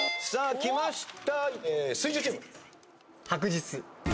きました